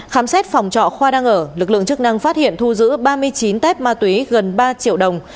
khám xét phòng trọ khoa đang ở lực lượng chức năng phát hiện thu giữ ba mươi chín tép ma túy gần ba triệu đồng